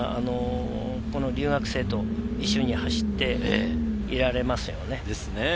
この留学生と一緒に走っていられますよね。